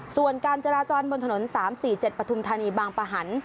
ส่วนการจราจรบนถนน๓๔๗ปฐุมธานีบางปะหัน